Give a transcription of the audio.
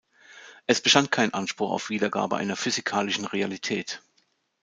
Es bestand kein Anspruch auf Wiedergabe einer physikalischen Realität.